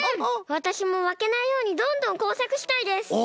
わたしもまけないようにどんどんこうさくしたいです！